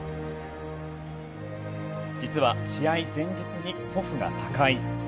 実は試合前日に祖父が他界。